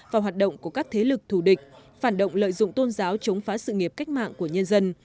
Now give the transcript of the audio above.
và hoạt động của các thế lực thù địch phản động lợi dụng tôn giáo chống phá sự nghiệp cách mạng của nhân dân